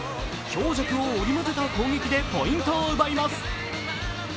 強弱を織り交ぜた攻撃でポイントを奪います。